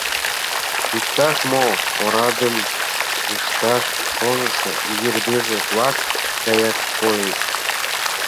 Иктаж-мо орадым ышташ шонышо изи рвезе-влак гаяк койыч.